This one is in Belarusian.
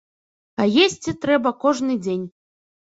А есці трэба кожны дзень.